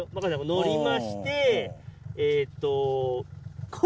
乗りましてえっと。